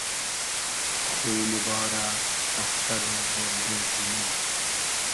خو موبارۂ از سئر و اۉنگې زیمی